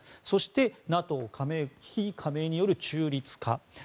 そしてＮＡＴＯ非加盟による中立化。